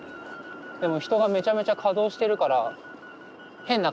でも人がめちゃめちゃ稼働してるから変な感じ。